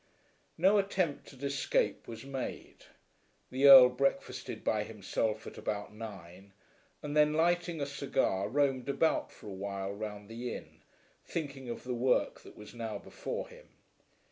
No attempt at escape was made. The Earl breakfasted by himself at about nine, and then lighting a cigar, roamed about for a while round the Inn, thinking of the work that was now before him.